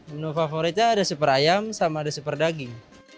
menu favoritnya ada super ayam sama ada super daging